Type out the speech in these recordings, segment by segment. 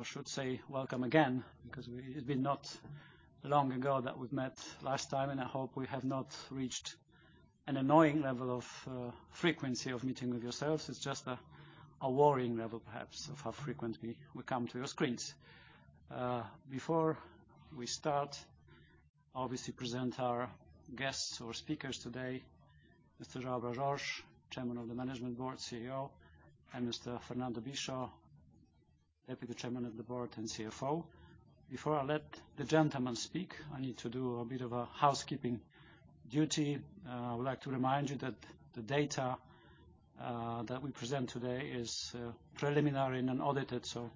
I should say welcome again because it had been not long ago that we've met last time, and I hope we have not reached an annoying level of frequency of meeting with yourselves. It's just a worrying level, perhaps, of how frequently we come to your screens. Before we start, obviously present our guests or speakers today, Mr. João Bras Jorge, Chairman of the Management Board, CEO, and Mr. Fernando Bicho, Deputy Chairman of the Board and CFO. Before I let the gentlemen speak, I need to do a bit of a housekeeping duty. I would like to remind you that the data that we present today is preliminary and unaudited, so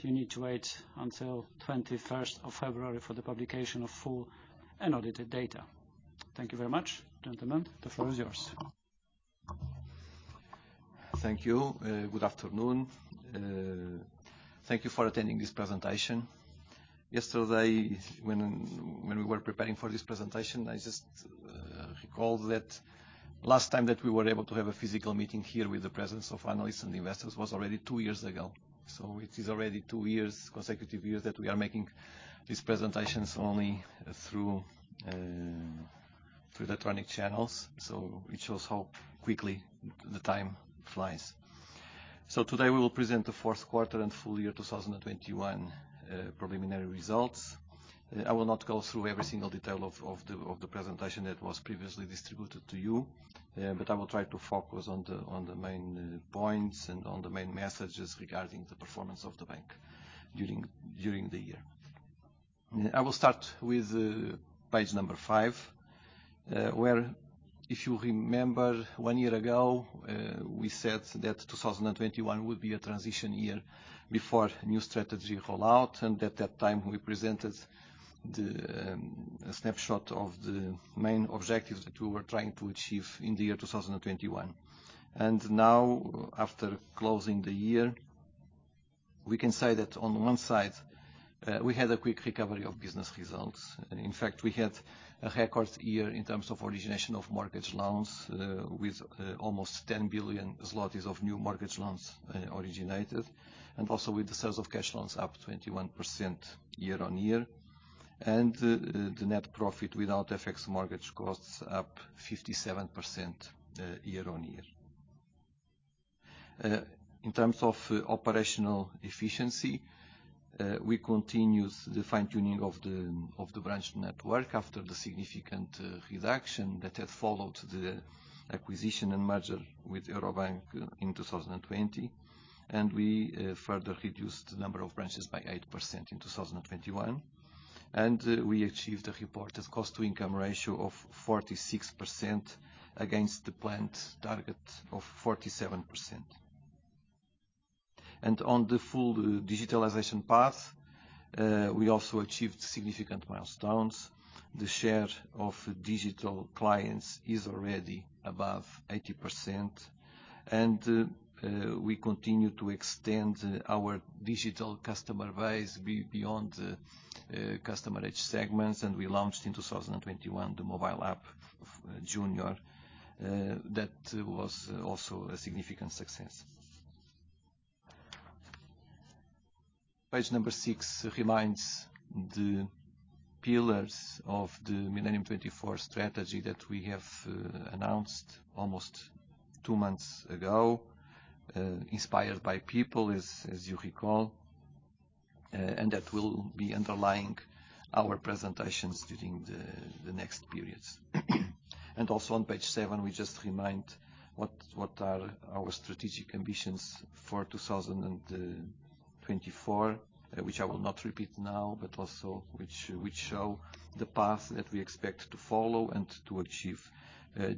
you need to wait until twenty-first of February for the publication of full and audited data. Thank you very much. Gentlemen, the floor is yours. Thank you. Good afternoon. Thank you for attending this presentation. Yesterday when we were preparing for this presentation, I just recalled that last time that we were able to have a physical meeting here with the presence of analysts and investors was already two years ago. It is already two years, consecutive years that we are making these presentations only through electronic channels, so it shows how quickly the time flies. Today we will present the Q4 and full year 2021 preliminary results. I will not go through every single detail of the presentation that was previously distributed to you, but I will try to focus on the main points and on the main messages regarding the performance of the bank during the year. I will start with page number five, where if you remember one year ago, we said that 2021 would be a transition year before new strategy rollout, and at that time, we presented the snapshot of the main objectives that we were trying to achieve in the year 2021. Now, after closing the year, we can say that on one side, we had a quick recovery of business results. In fact, we had a record year in terms of origination of mortgage loans, with almost 10 billion zlotys of new mortgage loans originated, and also with the sales of cash loans up 21% year-on-year. The net profit without FX mortgage costs up 57% year-on-year. In terms of operational efficiency, we continued the fine-tuning of the branch network after the significant reduction that had followed the acquisition and merger with Euro Bank in 2020. We further reduced the number of branches by 8% in 2021. We achieved a reported cost-to-income ratio of 46% against the planned target of 47%. On the full digitalization path, we also achieved significant milestones. The share of digital clients is already above 80%. We continue to extend our digital customer base beyond the customer age segments. We launched in 2021 the mobile app of Junior, that was also a significant success. Page number six reminds the pillars of the Millennium 2024 strategy that we have announced almost two months ago, inspired by people, as you recall, and that will be underlying our presentations during the next periods. Also on page seven, we just remind what are our strategic ambitions for 2024, which I will not repeat now, but also which show the path that we expect to follow and to achieve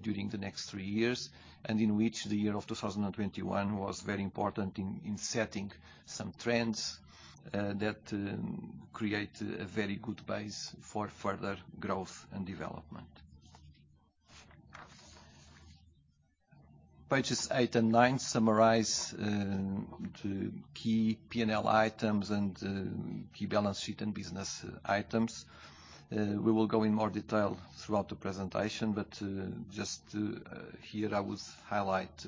during the next three years, and in which the year of 2021 was very important in setting some trends that create a very good base for further growth and development. Pages eight and nine summarize the key P&L items and key balance sheet and business items. We will go in more detail throughout the presentation, but just to here I would highlight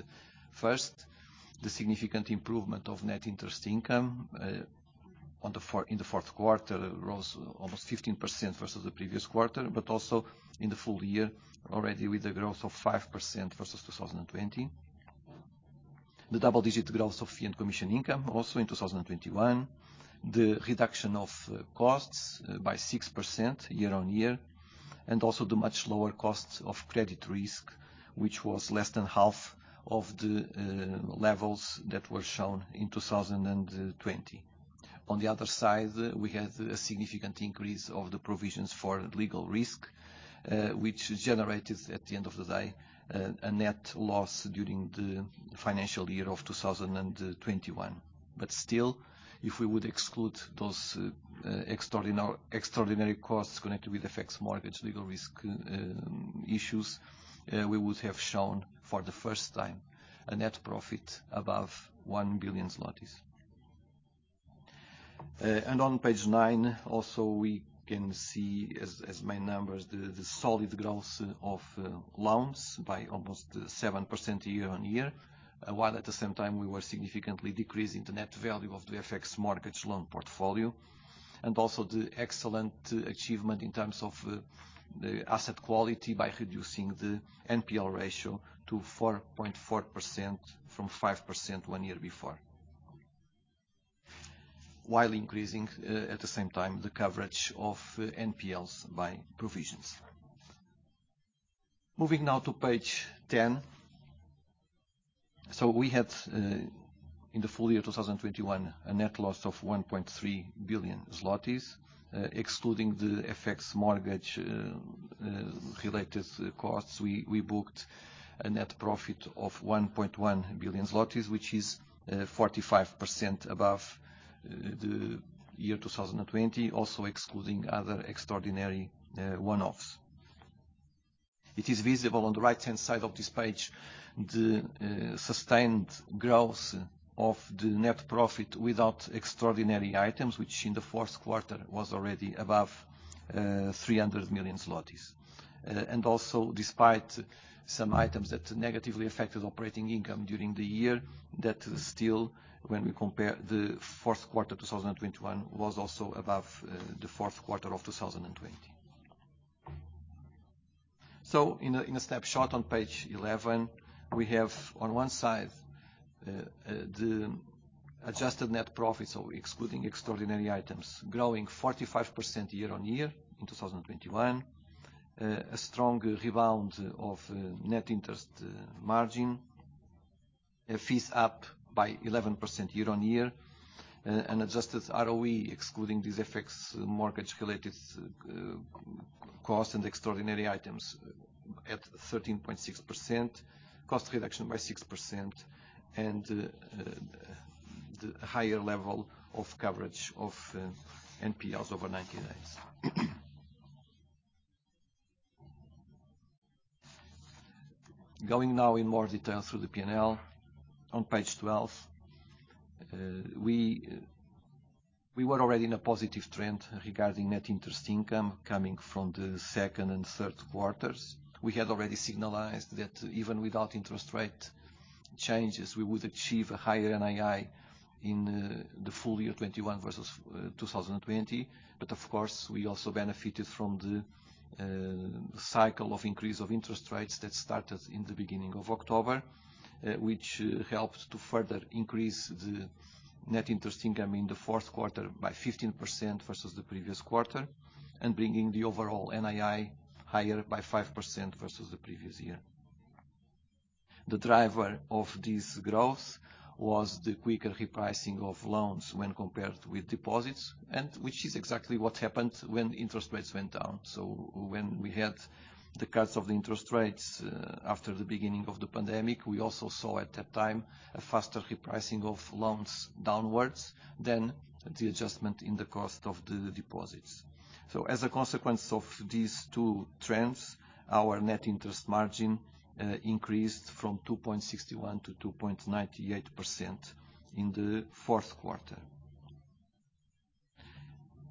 first the significant improvement of net interest income in the Q4 rose almost 15% versus the previous quarter. Also in the full year already with a growth of 5% versus 2020. The double-digit growth of fee and commission income also in 2021. The reduction of costs by 6% year-on-year, and also the much lower costs of credit risk, which was less than half of the levels that were shown in 2020. On the other side, we had a significant increase of the provisions for legal risk, which generated, at the end of the day, a net loss during the financial year of 2021. Still, if we would exclude those extraordinary costs connected with FX mortgage legal risk issues, we would have shown for the first time a net profit above 1 billion zlotys. On page nine, also we can see as main numbers the solid growth of loans by almost 7% year-on-year. While at the same time, we were significantly decreasing the net value of the FX mortgage loan portfolio, and also the excellent achievement in terms of the asset quality by reducing the NPL ratio to 4.4% from 5% one year before. While increasing at the same time the coverage of NPLs by provisions. Moving now to page 10. We had in the full year of 2021 a net loss of 1.3 billion zlotys. Excluding the FX mortgage related costs, we booked a net profit of 1.1 billion zlotys, which is 45% above the year 2020, also excluding other extraordinary one-offs. It is visible on the right-hand side of this page, the sustained growth of the net profit without extraordinary items, which in the Q4 was already above 300 million zlotys. Despite some items that negatively affected operating income during the year, that still, when we compare the Q4 2021, was also above the Q4 of 2020. In a snapshot on page 11, we have on one side the adjusted net profit, so excluding extraordinary items, growing 45% year-on-year in 2021. A strong rebound of net interest margin. Fees up by 11% year-over-year. An adjusted ROE excluding these FX mortgage-related cost and extraordinary items at 13.6%. Cost reduction by 6% and the higher level of coverage of NPLs over 90 days. Going now in more detail through the P&L. On page 12, we were already in a positive trend regarding net interest income coming from the second and Q3s. We had already signaled that even without interest rate changes, we would achieve a higher NII in the full year 2021 versus 2020. Of course, we also benefited from the cycle of increase of interest rates that started in the beginning of October, which helped to further increase the net interest income in the Q4 by 15% versus the previous quarter, and bringing the overall NII higher by 5% versus the previous year. The driver of this growth was the quicker repricing of loans when compared with deposits, and which is exactly what happened when interest rates went down. When we had the cuts of the interest rates after the beginning of the pandemic, we also saw at that time a faster repricing of loans downwards than the adjustment in the cost of the deposits. As a consequence of these two trends, our net interest margin increased from 2.61% to 2.98% in the Q4.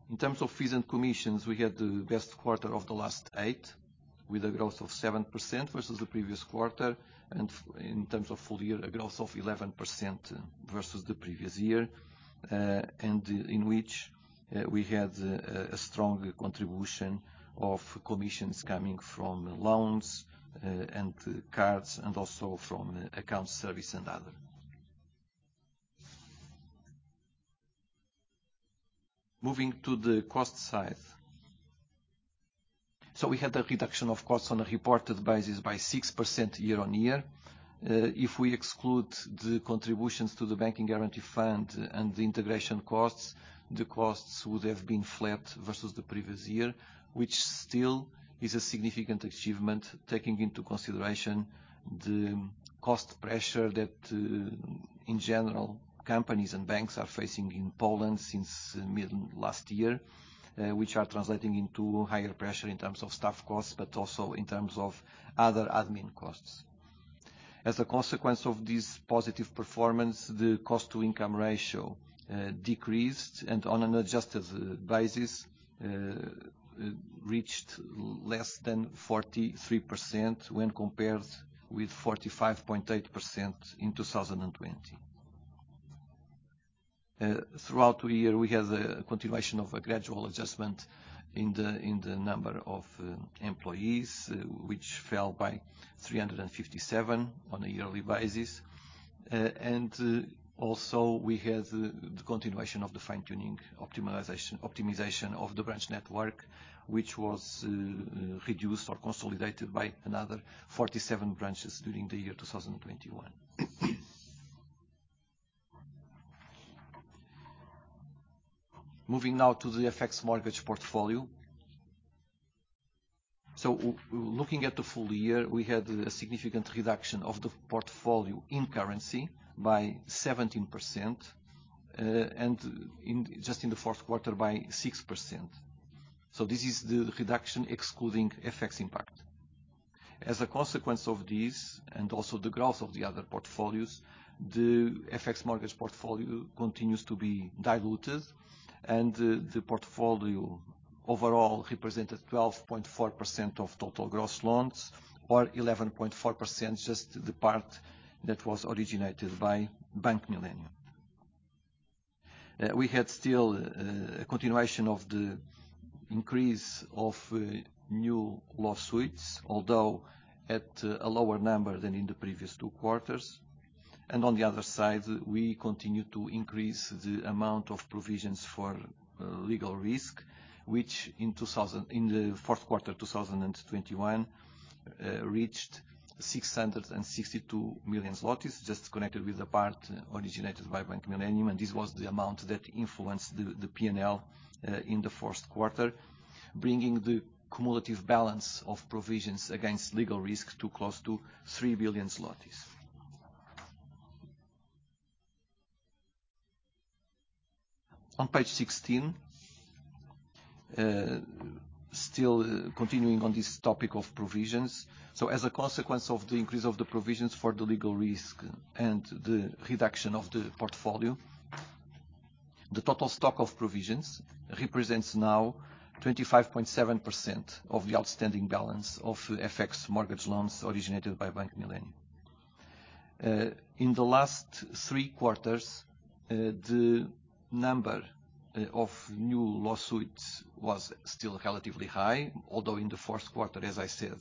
In terms of fees and commissions, we had the best quarter of the last eight, with a growth of 7% versus the previous quarter. In terms of full year, a growth of 11% versus the previous year. In which we had a strong contribution of commissions coming from loans, and cards, and also from accounts service and other. Moving to the cost side. We had a reduction of costs on a reported basis by 6% year-on-year. If we exclude the contributions to the Bank Guarantee Fund and the integration costs, the costs would have been flat versus the previous year, which still is a significant achievement, taking into consideration the cost pressure that, in general, companies and banks are facing in Poland since mid-last year, which are translating into higher pressure in terms of staff costs, but also in terms of other admin costs. As a consequence of this positive performance, the cost-to-income ratio decreased and on an adjusted basis, reached less than 43% when compared with 45.8% in 2020. Throughout the year, we had a continuation of a gradual adjustment in the number of employees, which fell by 357 on a yearly basis. Also, we had the continuation of the fine-tuning optimization of the branch network, which was reduced or consolidated by another 47 branches during the year 2021. Moving now to the FX mortgage portfolio. Looking at the full year, we had a significant reduction of the portfolio in currency by 17%, and just in the Q4 by 6%. This is the reduction excluding FX impact. As a consequence of this, and also the growth of the other portfolios, the FX mortgage portfolio continues to be diluted, and the portfolio overall represented 12.4% of total gross loans or 11.4% just the part that was originated by Bank Millennium. We had still a continuation of the increase of new lawsuits, although at a lower number than in the previous two quarters. On the other side, we continued to increase the amount of provisions for legal risk, which in the Q4 2021 reached 662 million zlotys just connected with the part originated by Bank Millennium. This was the amount that influenced the P&L in the Q4, bringing the cumulative balance of provisions against legal risk to close to 3 billion zlotys. On page 16, still continuing on this topic of provisions. As a consequence of the increase of the provisions for the legal risk and the reduction of the portfolio, the total stock of provisions represents now 25.7% of the outstanding balance of FX mortgage loans originated by Bank Millennium. In the last three quarters, the number of new lawsuits was still relatively high, although in the Q4, as I said,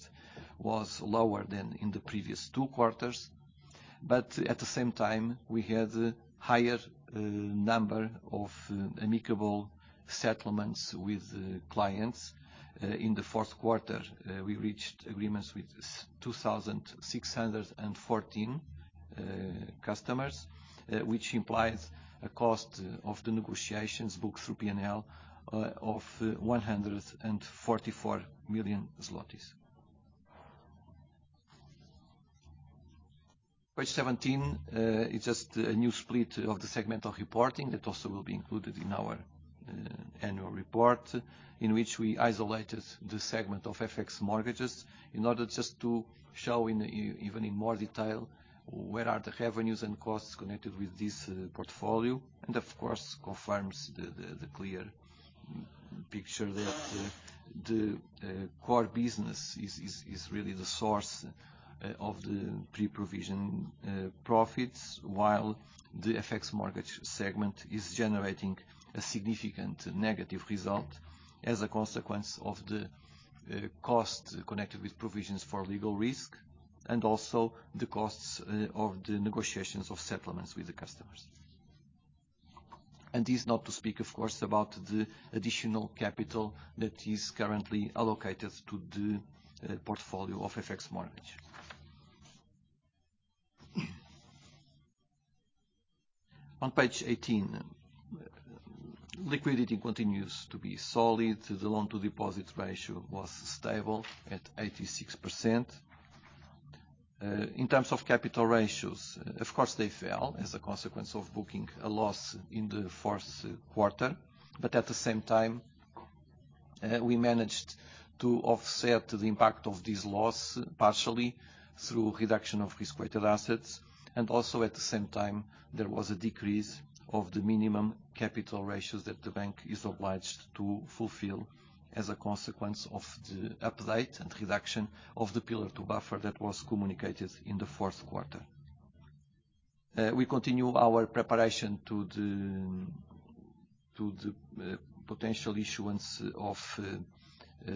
was lower than in the previous two quarters. At the same time, we had higher number of amicable settlements with clients. In the Q4, we reached agreements with 2,614 customers, which implies a cost of the negotiations booked through P&L of PLN 144 million. Page 17 is just a new split of the segmental reporting that also will be included in our annual report, in which we isolated the segment of FX mortgages in order just to show in even more detail where are the revenues and costs connected with this portfolio. Of course, confirms the clear picture that the core business is really the source of the pre-provision profits, while the FX mortgage segment is generating a significant negative result as a consequence of the cost connected with provisions for legal risk and also the costs of the negotiations of settlements with the customers. This not to speak, of course, about the additional capital that is currently allocated to the portfolio of FX mortgage. On page 18, liquidity continues to be solid. The loan to deposits ratio was stable at 86%. In terms of capital ratios, of course, they fell as a consequence of booking a loss in the Q4. At the same time, we managed to offset the impact of this loss partially through reduction of risk-weighted assets. At the same time, there was a decrease of the minimum capital ratios that the bank is obliged to fulfill as a consequence of the update and reduction of the Pillar 2 buffer that was communicated in the Q4. We continue our preparation to the potential issuance of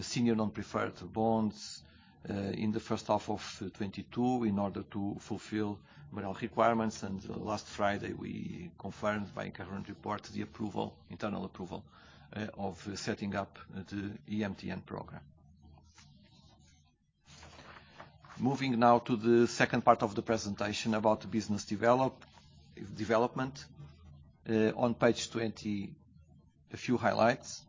senior non-preferred bonds in the H1 of 2022 in order to fulfill MREL requirements. Last Friday, we confirmed by current report the approval, internal approval, of setting up the EMTN program. Moving now to the second part of the presentation about business development. On page 20, a few highlights.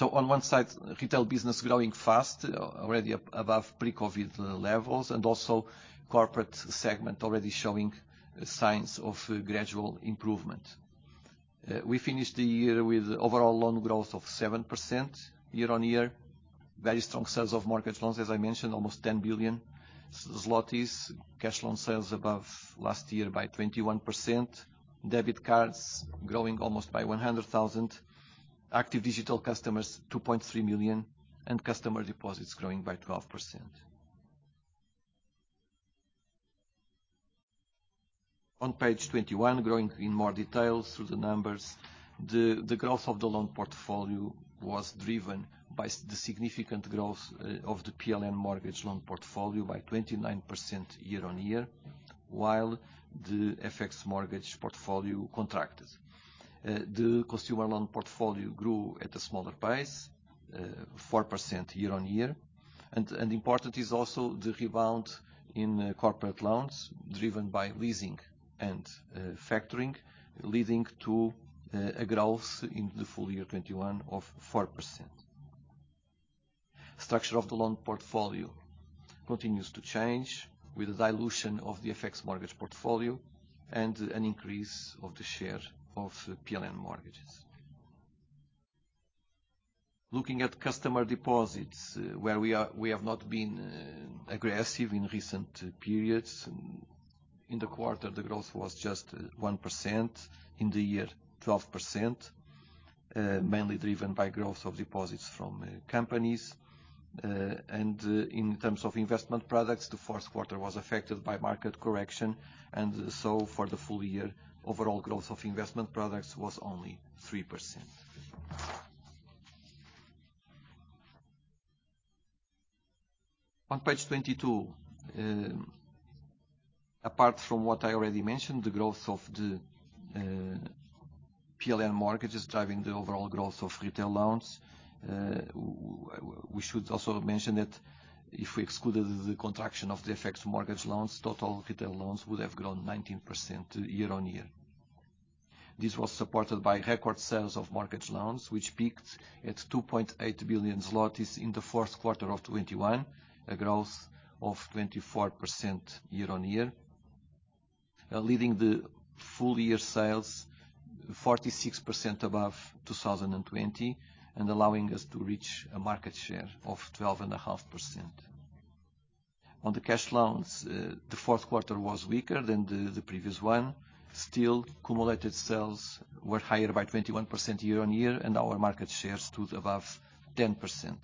On one side, retail business growing fast, already up above pre-COVID levels, and also corporate segment already showing signs of gradual improvement. We finished the year with overall loan growth of 7% year-on-year. Very strong sales of mortgage loans, as I mentioned, almost 10 billion zlotys. Cash loan sales above last year by 21%. Debit cards growing almost by 100,000. Active digital customers, 2.3 million, and customer deposits growing by 12%. On page 21, growing in more details through the numbers. The growth of the loan portfolio was driven by the significant growth of the PLN mortgage loan portfolio by 29% year-on-year, while the FX mortgage portfolio contracted. The consumer loan portfolio grew at a smaller pace, 4% year-on-year. Important is also the rebound in corporate loans driven by leasing and factoring, leading to a growth in the full year 2021 of 4%. Structure of the loan portfolio continues to change with the dilution of the FX mortgage portfolio and an increase of the share of PLN mortgages. Looking at customer deposits, where we are, we have not been aggressive in recent periods. In the quarter, the growth was just 1%, in the year 12%, mainly driven by growth of deposits from companies. In terms of investment products, the Q4 was affected by market correction. For the full year, overall growth of investment products was only 3%. On page 22, apart from what I already mentioned, the growth of the PLN mortgages driving the overall growth of retail loans. We should also mention that if we excluded the contraction of the FX mortgage loans, total retail loans would have grown 19% year-on-year. This was supported by record sales of mortgage loans, which peaked at 2.8 billion zlotys in the Q4 of 2021, a growth of 24% year-on-year, leading the full-year sales 46% above 2020, and allowing us to reach a market share of 12.5%. On the cash loans, the Q4 was weaker than the previous one. Still, cumulative sales were higher by 21% year-on-year, and our market share stood above 10%.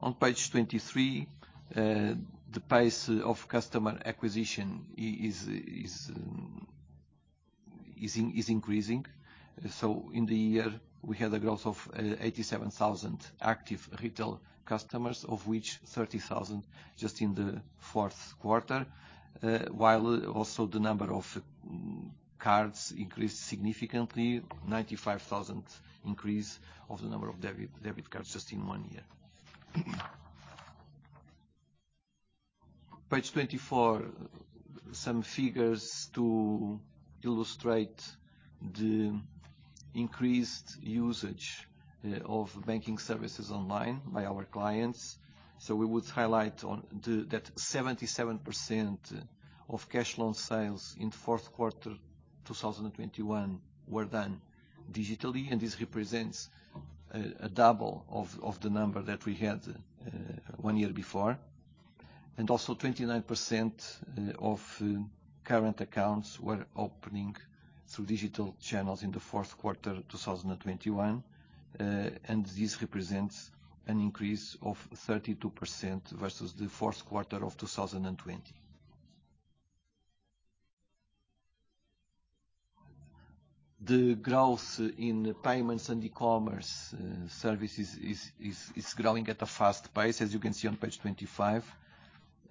On page 23, the price of customer acquisition is increasing. In the year, we had a growth of 87,000 active retail customers, of which 30,000 just in the Q4. While the number of cards increased significantly, 95,000 increase of the number of debit cards just in one year. Page 24, some figures to illustrate the increased usage of banking services online by our clients. We would highlight that 77% of cash loan sales in Q4 2021 were done digitally, and this represents a double of the number that we had one year before. 29% of current accounts were opening through digital channels in the Q4 of 2021. This represents an increase of 32% versus the Q4 of 2020. The growth in payments and e-commerce services is growing at a fast pace, as you can see on page 25.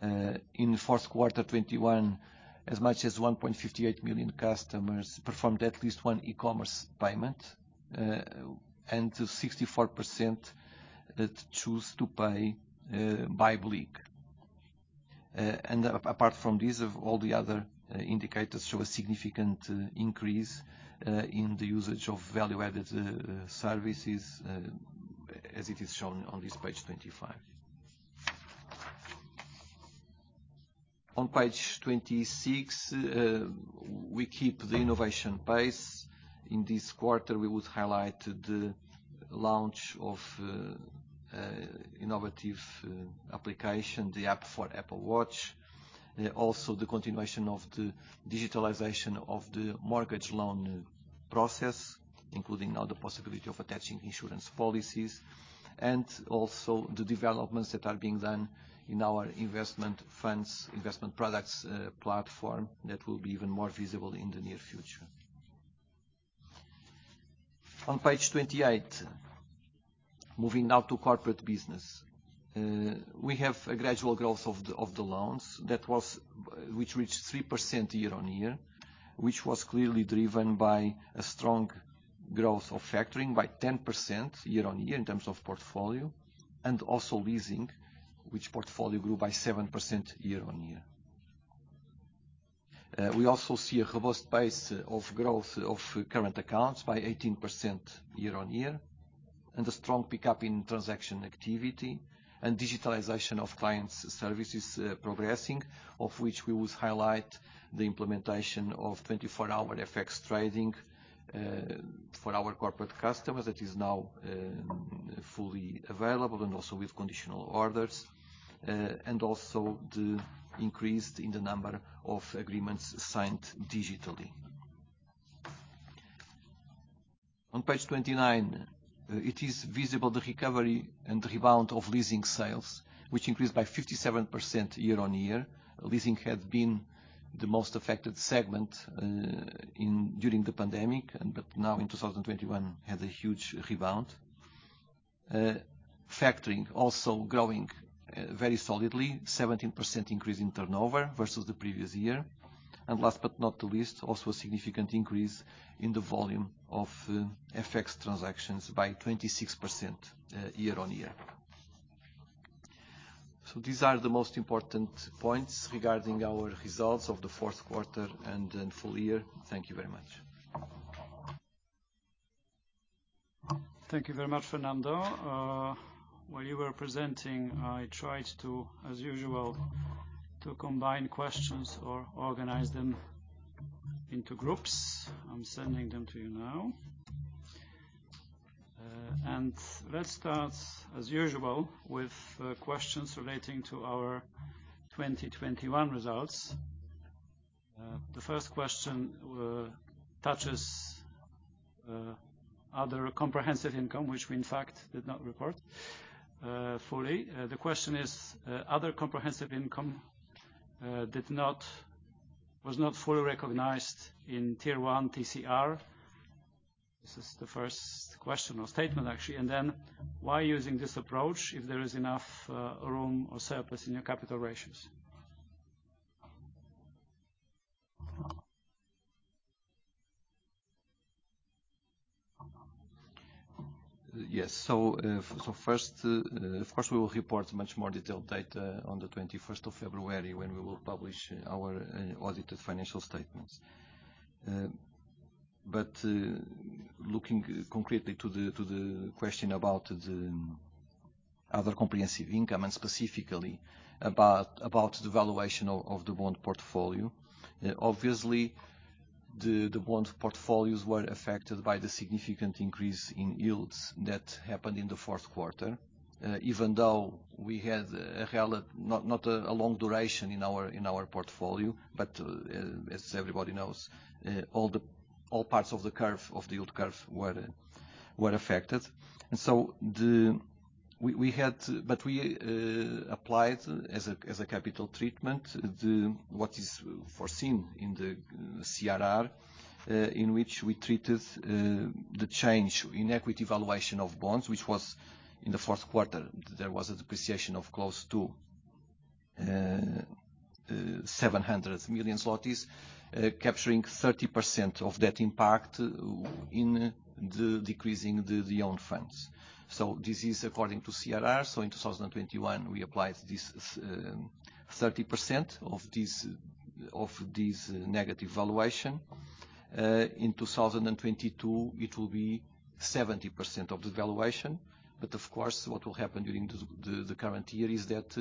In Q4 2021, as much as 1.58 million customers performed at least one e-commerce payment, and 64% choose to pay by BLIK. Apart from this, all the other indicators show a significant increase in the usage of value-added services, as it is shown on this page 25. On page 26, we keep the innovation pace. In this quarter, we would highlight the launch of innovative application, the app for Apple Watch. Also the continuation of the digitalization of the mortgage loan process, including now the possibility of attaching insurance policies. Also the developments that are being done in our investment funds, investment products, platform that will be even more visible in the near future. On page 28, moving now to corporate business. We have a gradual growth of the loans, which reached 3% year-on-year. Which was clearly driven by a strong growth of factoring by 10% year-on-year in terms of portfolio. Also leasing, which portfolio grew by 7% year-on-year. We also see a robust pace of growth of current accounts by 18% year-on-year. A strong pickup in transaction activity and digitalization of clients services progressing, of which we would highlight the implementation of 24-hour FX trading for our corporate customers that is now fully available and also with conditional orders. also the increase in the number of agreements signed digitally. On page 29, it is visible the recovery and rebound of leasing sales, which increased by 57% year-on-year. Leasing had been the most affected segment during the pandemic, but now in 2021 had a huge rebound. Factoring also growing very solidly, 17% increase in turnover versus the previous year. Last but not the least, also a significant increase in the volume of FX transactions by 26% year-on-year. These are the most important points regarding our results of the Q4 and in full year. Thank you very much. Thank you very much, Fernando. While you were presenting, I tried to, as usual, to combine questions or organize them into groups. I'm sending them to you now. Let's start as usual with questions relating to our 2021 results. The first question touches other comprehensive income, which we in fact did not report fully. The question is, other comprehensive income was not fully recognized in Tier 1 TCR. This is the first question or statement, actually. Why using this approach if there is enough room or surplus in your capital ratios? Yes. First, of course, we will report much more detailed data on the twenty-first of February when we will publish our audited financial statements. Looking concretely to the question about the other comprehensive income and specifically about the valuation of the bond portfolio. Obviously, the bond portfolios were affected by the significant increase in yields that happened in the Q4. Even though we had a relevant, not a long duration in our portfolio, but as everybody knows, all parts of the yield curve were affected. We applied as a capital treatment what is foreseen in the CRR, in which we treated the change in equity valuation of bonds, which was in the Q4. There was a depreciation of close to 700 million zlotys, capturing 30% of that impact in decreasing the own funds. This is according to CRR. In 2021, we applied this 30% of this negative valuation. In 2022, it will be 70% of the valuation. Of course, what will happen during the current year is that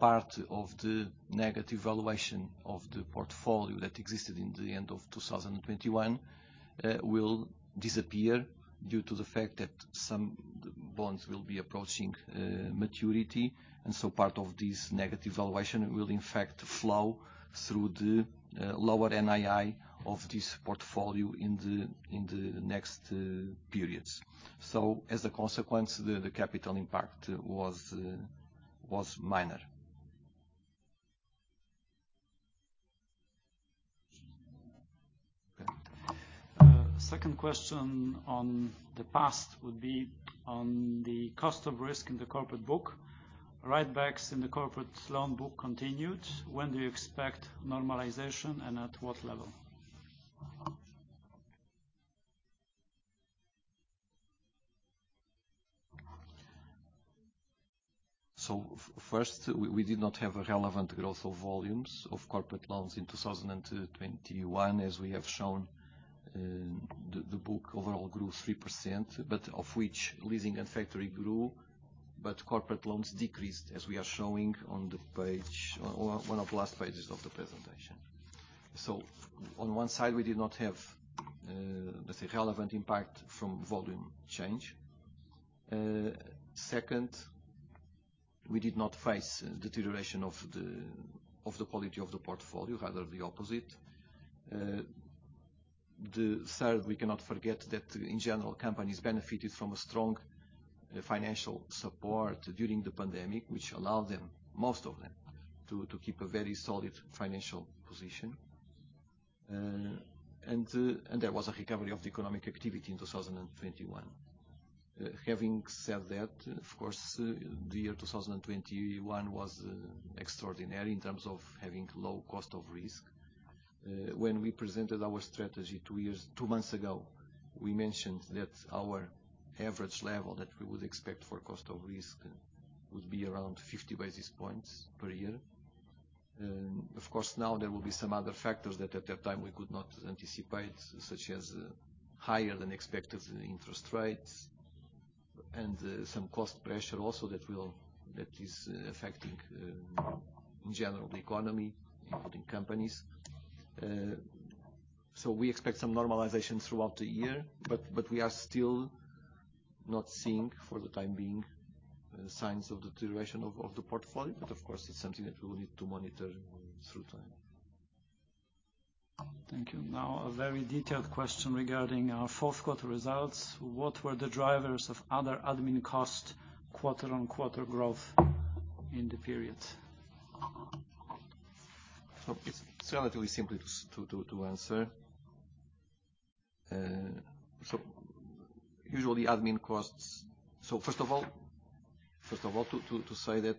part of the negative valuation of the portfolio that existed in the end of 2021 will disappear due to the fact that some bonds will be approaching maturity. Part of this negative valuation will in fact flow through the lower NII of this portfolio in the next periods. As a consequence, the capital impact was minor. Okay. Second question on the [past] would be on the cost of risk in the corporate book. Write-backs in the corporate loan book continued. When do you expect normalization and at what level? First, we did not have a relevant growth of volumes of corporate loans in 2021. As we have shown, the book overall grew 3%, but of which leasing and factoring grew, but corporate loans decreased, as we are showing on the page or one of the last pages of the presentation. On one side, we did not have, let's say, relevant impact from volume change. Second, we did not face deterioration of the quality of the portfolio, rather the opposite. The third, we cannot forget that in general, companies benefited from a strong financial support during the pandemic, which allowed them, most of them, to keep a very solid financial position. There was a recovery of the economic activity in 2021. Having said that, of course, the year 2021 was extraordinary in terms of having low cost of risk. When we presented our strategy two years, two months ago, we mentioned that our average level that we would expect for cost of risk would be around 50 basis points per year. Of course, now there will be some other factors that at that time we could not anticipate, such as higher than expected interest rates and some cost pressure also that is affecting in general the economy, including companies. We expect some normalization throughout the year, but we are still not seeing, for the time being, signs of deterioration of the portfolio. Of course, it's something that we will need to monitor through time. Thank you. Now a very detailed question regarding our Q4 results. What were the drivers of other admin cost quarter-over-quarter growth in the period? It's relatively simple to answer. Usually admin costs. First of all, to say that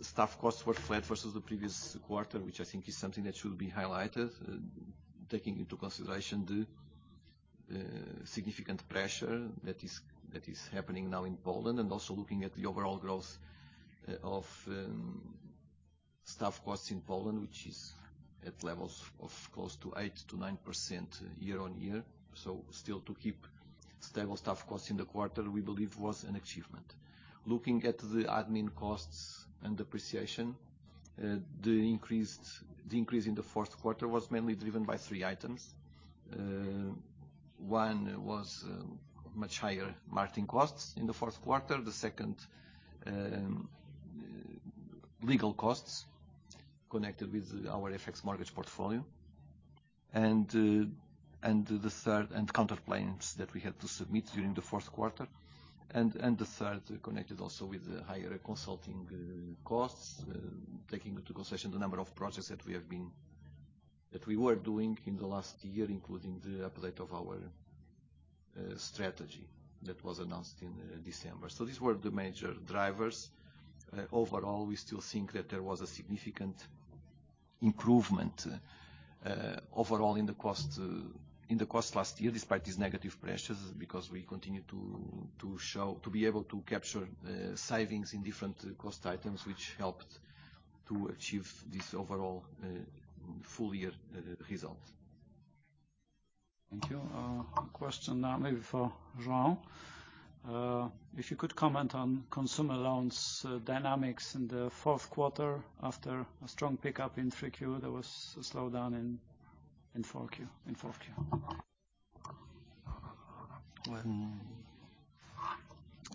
staff costs were flat versus the previous quarter, which I think is something that should be highlighted, taking into consideration the significant pressure that is happening now in Poland, and also looking at the overall growth of staff costs in Poland, which is at levels of close to 8%-9% year-over-year. Still to keep stable staff costs in the quarter, we believe was an achievement. Looking at the admin costs and depreciation, the increase in the Q4 was mainly driven by three items. One was much higher marketing costs in the Q4. The second, legal costs connected with our FX mortgage portfolio and the third, counterclaims that we had to submit during the Q4, and the third connected also with higher consulting costs, taking into consideration the number of projects that we were doing in the last year, including the update of our strategy that was announced in December. These were the major drivers. Overall, we still think that there was a significant improvement overall in the cost last year, despite these negative pressures, because we continued to show, to be able to capture savings in different cost items, which helped to achieve this overall full year result. Thank you. One question now maybe for João. If you could comment on consumer loans dynamics in the Q4. After a strong pickup in 3Q, there was a slowdown in 4Q.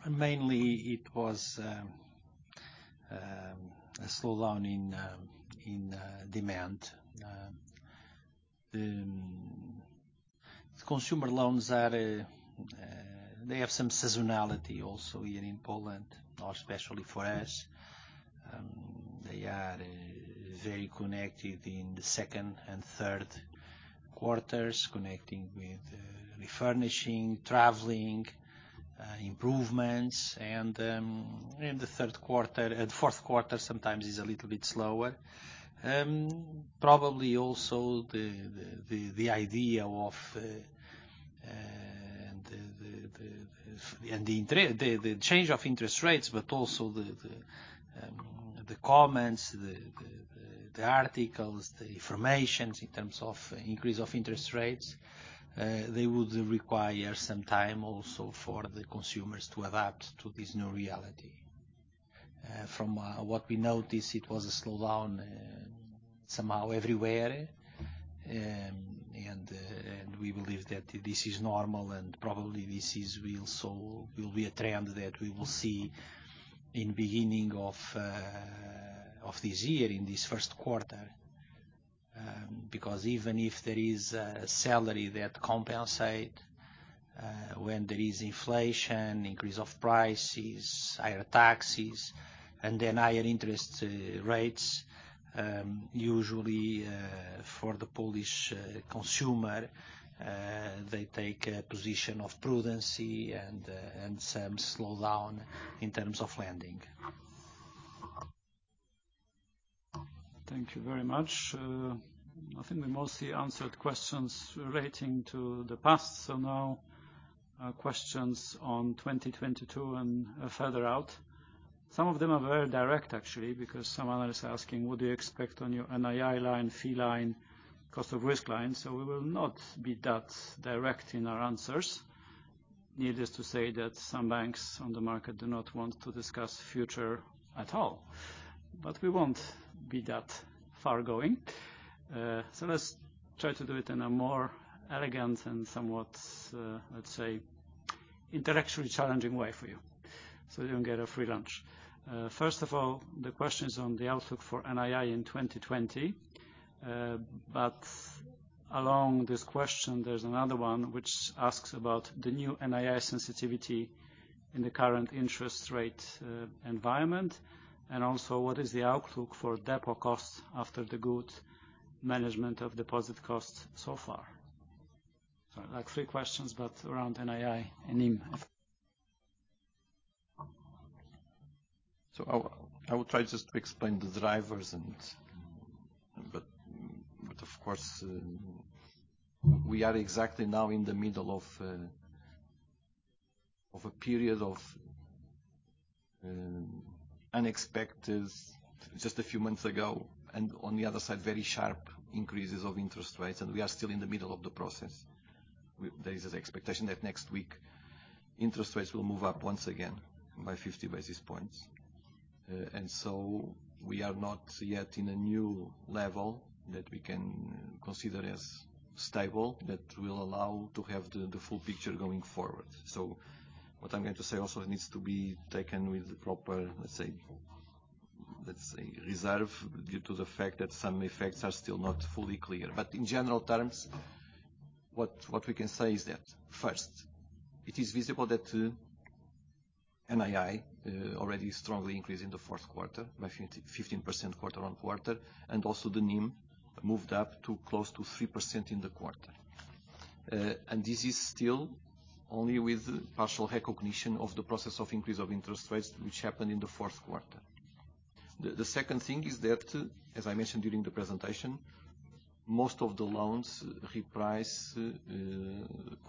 Mainly it was a slowdown in demand. The consumer loans are, they have some seasonality also here in Poland, or especially for us. They are very connected in the second and Q3s, connecting with refurnishing, traveling, improvements. In the Q3, Q4 sometimes is a little bit slower. Probably also the idea of the change of interest rates, but also the comments, the articles, the information in terms of increase of interest rates, they would require some time also for the consumers to adapt to this new reality. From what we noticed, it was a slowdown somehow everywhere. We believe that this is normal and probably this will be a trend that we will see in beginning of this year, in this Q1. Because even if there is a salary that compensate when there is inflation, increase of prices, higher taxes, and then higher interest rates, usually for the Polish consumer they take a position of prudence and some slowdown in terms of lending. Thank you very much. I think we mostly answered questions relating to the past. Now, questions on 2022 and further out. Some of them are very direct, actually, because someone is asking, what do you expect on your NII line, fee line, cost of risk line? We will not be that direct in our answers. Needless to say that some banks on the market do not want to discuss future at all, but we won't be that far going. Let's try to do it in a more elegant and somewhat, let's say, intellectually challenging way for you, so you don't get a free lunch. First of all, the questions on the outlook for NII in 2020. Along this question, there's another one which asks about the new NII sensitivity in the current interest rate environment, and also what is the outlook for deposit costs after the good management of deposit costs so far? Like three questions, but around NII and NIM. I will try just to explain the drivers, but of course, we are exactly now in the middle of a period of unexpected just a few months ago, and on the other side, very sharp increases of interest rates, and we are still in the middle of the process. There is an expectation that next week interest rates will move up once again by fifty basis points. We are not yet in a new level that we can consider as stable that will allow to have the full picture going forward. What I'm going to say also needs to be taken with the proper, let's say, reserve, due to the fact that some effects are still not fully clear. In general terms, what we can say is that, first, it is visible that NII already strongly increased in the Q4 by 15% quarter-over-quarter, and also the NIM moved up to close to 3% in the quarter. This is still only with partial recognition of the process of increase of interest rates, which happened in the Q4. The second thing is that, as I mentioned during the presentation. Most of the loans reprice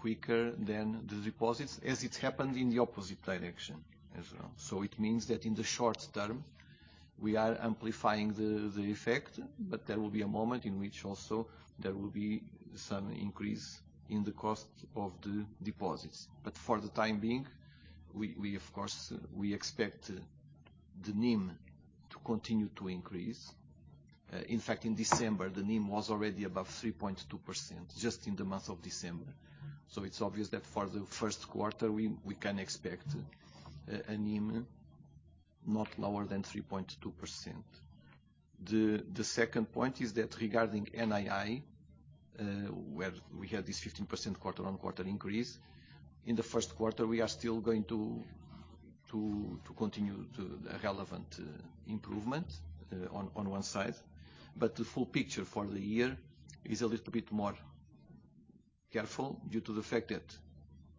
quicker than the deposits, as it's happened in the opposite direction as well. It means that in the short term, we are amplifying the effect, but there will be a moment in which also there will be some increase in the cost of the deposits. For the time being, we of course expect the NIM to continue to increase. In fact, in December, the NIM was already above 3.2%, just in the month of December. It's obvious that for the Q1, we can expect a NIM not lower than 3.2%. The second point is that regarding NII, where we had this 15% quarter-on-quarter increase, in the Q1, we are still going to continue to relevant improvement on one side. The full picture for the year is a little bit more careful due to the fact that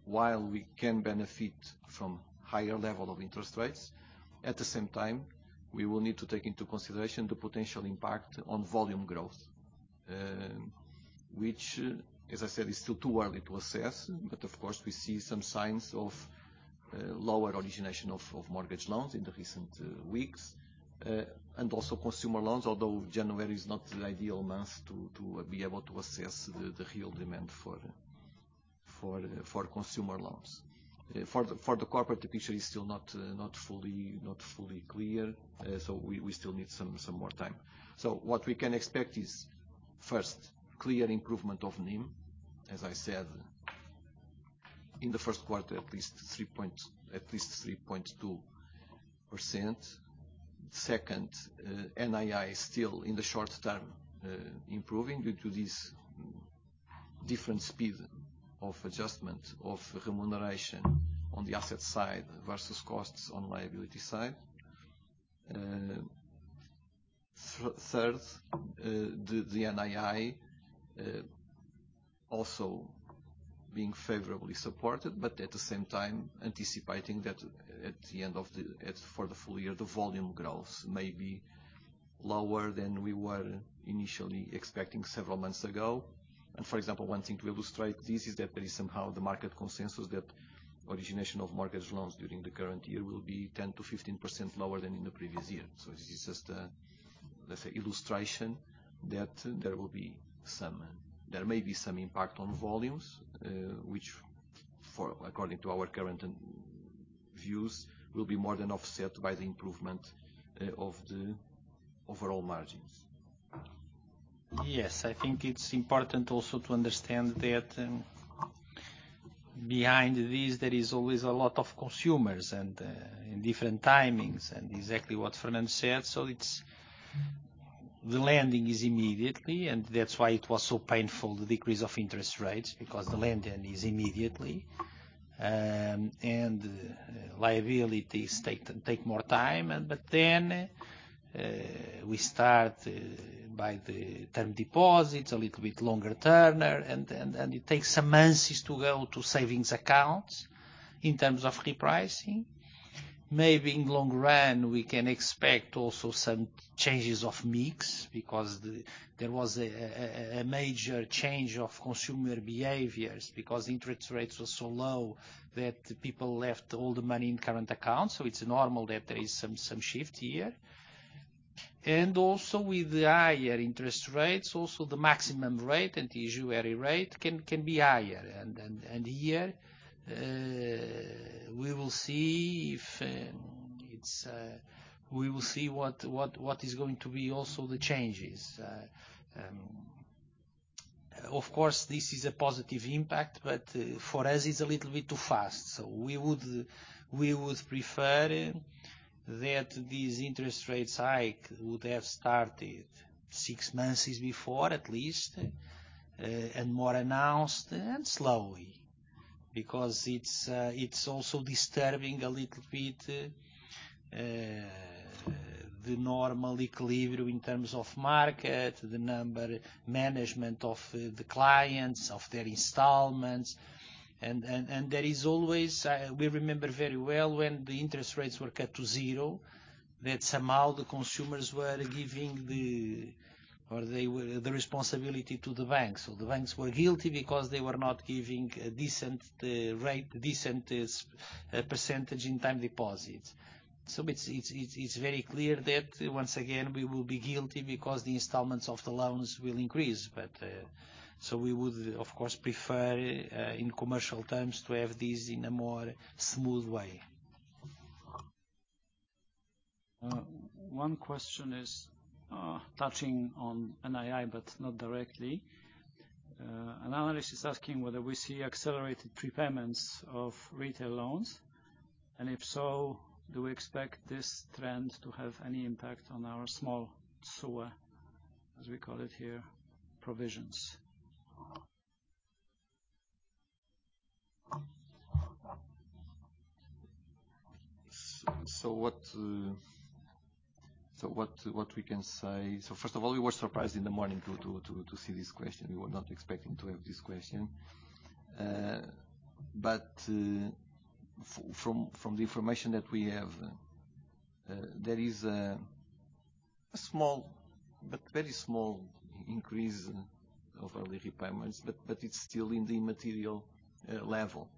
while we can benefit from higher level of interest rates, at the same time, we will need to take into consideration the potential impact on volume growth. Which, as I said, is still too early to assess. Of course, we see some signs of lower origination of mortgage loans in the recent weeks. Also consumer loans, although January is not the ideal month to be able to assess the real demand for consumer loans. For the corporate, the picture is still not fully clear, so we still need some more time. What we can expect is, first, clear improvement of NIM, as I said, in the Q1, at least 3.2%. Second, NII still in the short term improving due to this different speed of adjustment of remuneration on the asset side versus costs on liability side. Third, the NII also being favorably supported, but at the same time, anticipating that for the full year, the volume growth may be lower than we were initially expecting several months ago. For example, one thing to illustrate this is that there is somehow the market consensus that origination of mortgage loans during the current year will be 10%-15% lower than in the previous year. This is just, let's say, an illustration that there may be some impact on volumes, which, according to our current views, will be more than offset by the improvement of the overall margins. Yes, I think it's important also to understand that behind this, there is always a lot of consumers and in different timings and exactly what Fernando said. It's the lending is immediately, and that's why it was so painful, the decrease of interest rates, because the lending is immediately. Liabilities take more time. Then we start by the term deposits, a little bit longer tenor, and it takes some months to go to savings accounts in terms of repricing. Maybe in long run, we can expect also some changes of mix because there was a major change of consumer behaviors because interest rates were so low that people left all the money in current accounts. It's normal that there is some shift here. Also with the higher interest rates, also the maximum rate and the usury rate can be higher. Here we will see what is going to be also the changes. Of course, this is a positive impact, but for us it's a little bit too fast. We would prefer that these interest rates hike would have started six months before at least, and more announced and slowly. Because it's also disturbing a little bit the normal equilibrium in terms of market, the number, management of the clients, of their installments. There is always we remember very well when the interest rates were cut to zero, that somehow the consumers were giving the, or they were the responsibility to the banks. The banks were guilty because they were not giving a decent rate, decent percentage in time deposits. It's very clear that once again, we will be guilty because the installments of the loans will increase. We would of course prefer, in commercial terms, to have this in a more smooth way. One question is touching on NII, but not directly. An analyst is asking whether we see accelerated prepayments of retail loans, and if so, do we expect this trend to have any impact on our small CELU, as we call it here, provisions? What we can say. First of all, we were surprised in the morning to see this question. We were not expecting to have this question. But from the information that we have There is a small, but very small increase of early repayments, but it's still in the immaterial level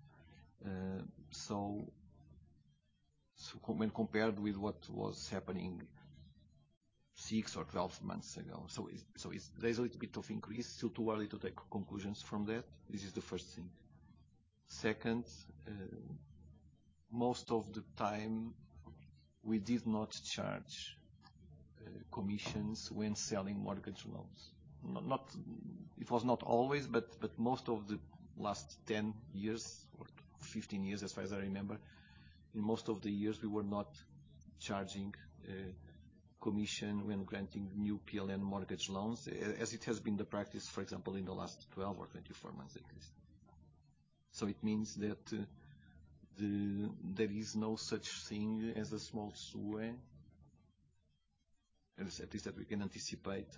when compared with what was happening six or 12 months ago. There's a little bit of increase. Too early to take conclusions from that. This is the first thing. Second, most of the time, we did not charge commissions when selling mortgage loans. It was not always, but most of the last 10 years or 15 years, as far as I remember, in most of the years, we were not charging commission when granting new PLN mortgage loans, as it has been the practice, for example, in the last 12 or 24 months at least. It means that there is no such thing as a small CELU. that is, that we can anticipate,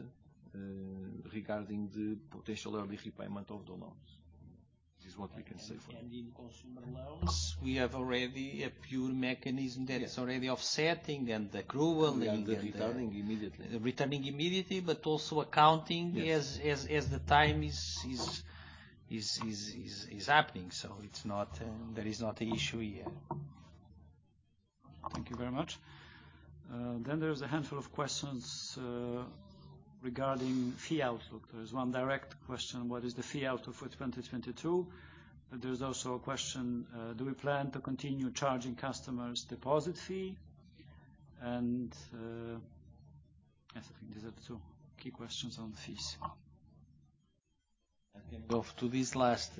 regarding the potential early repayment of the loans. This is what we can say for now. In consumer loans. We have already a pure mechanism that is already offsetting and accruing. We are returning immediately. Returning immediately, but also accounting. Yes. As the time is happening. There is not an issue here. Thank you very much. There's a handful of questions regarding fee outlook. There's one direct question, what is the fee outlook for 2022? There's also a question, do we plan to continue charging customers deposit fee? I think these are the two key questions on fees. I can go to this last.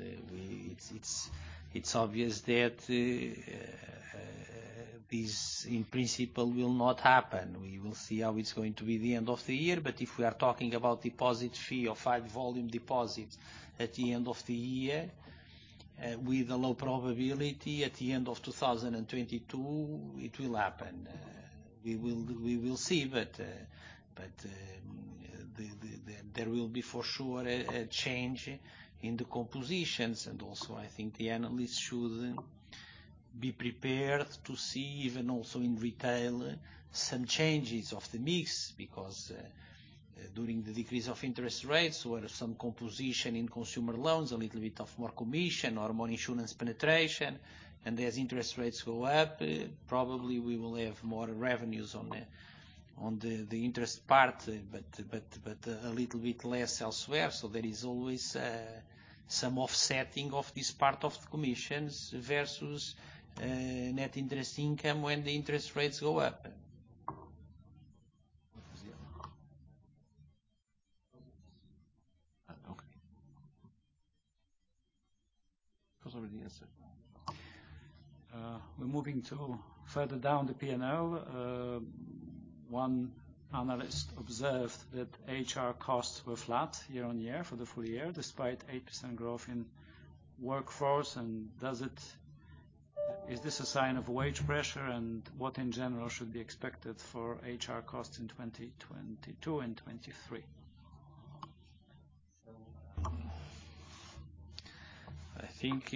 It's obvious that this in principle will not happen. We will see how it's going to be the end of the year. If we are talking about deposit fee of high volume deposits at the end of the year, with a low probability at the end of 2022, it will happen. We will see. There will be for sure a change in the compositions. Also, I think the analysts should be prepared to see even also in retail some changes of the mix because during the decrease of interest rates or some composition in consumer loans, a little bit of more commission or more insurance penetration. As interest rates go up, probably we will have more revenues on the interest part, but a little bit less elsewhere. There is always some offsetting of this part of the commissions versus net interest income when the interest rates go up. Okay. Because already answered. We're moving to further down the P&L. One analyst observed that HR costs were flat year-on-year for the full year, despite 8% growth in workforce. Is this a sign of wage pressure? What in general should be expected for HR costs in 2022 and 2023? I think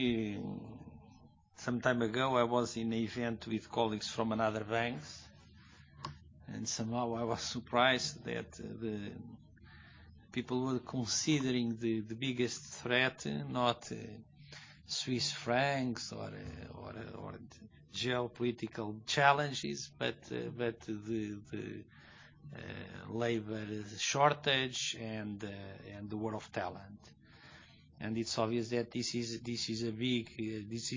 some time ago, I was in an event with colleagues from other banks, and somehow I was surprised that people were considering the biggest threat, not Swiss francs or geopolitical challenges, but the labor shortage and the war for talent. It's obvious that this is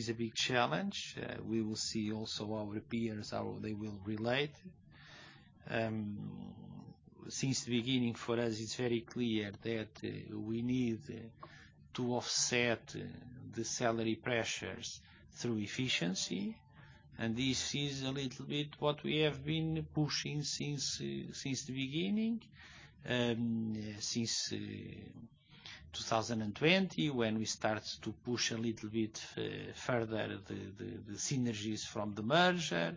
a big challenge. We will see also our peers, how they will relate. Since the beginning, for us, it's very clear that we need to offset the salary pressures through efficiency. This is a little bit what we have been pushing since the beginning, since 2020, when we start to push a little bit further the synergies from the merger.